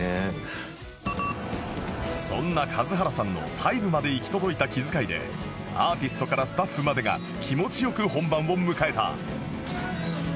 そんな數原さんの細部まで行き届いた気遣いでアーティストからスタッフまでが気持ち良く本番を迎えた